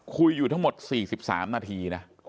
คุยอยู่ทั้งหมด๔๓นาทีนะ